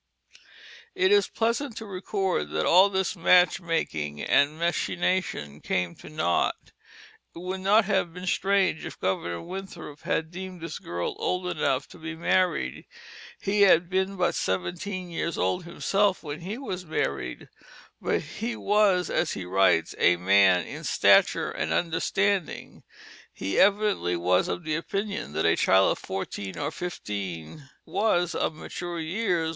It is pleasant to record that all this match making and machination came to naught. It would not have been strange if Governor Winthrop had deemed this girl old enough to be married. He had been but seventeen years old himself when he was married, but he was, so he writes, "a man in stature and understanding." He evidently was of the opinion that a child of fourteen or fifteen was of mature years.